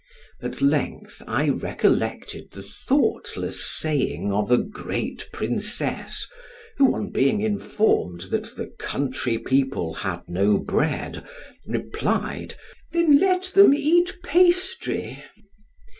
At length I recollected the thoughtless saying of a great princess, who, on being informed that the country people had no bread, replied, "Then let them eat pastry!"